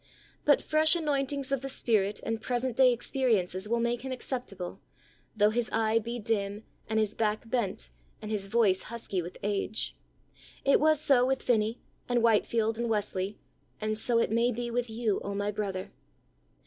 But fresh anointings of the Spirit and present day experiences will make him acceptable, though his eye be dim and his back bent, and his voice husky with age. It was so SPIRITUAL LEADERSHIP. 41 with Finney, and Whitefield and Wesley, and so it may be with you, O my brother